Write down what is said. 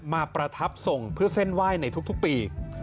ประทับทรงเพื่อเส้นไหว้ในทุกปี